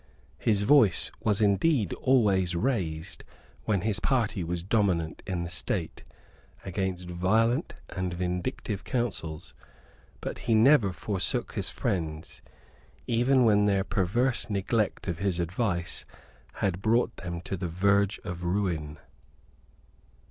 His voice was indeed always raised, when his party was dominant in the State, against violent and vindictive counsels; but he never forsook his friends, even when their perverse neglect of his advice had brought them to the verge of ruin.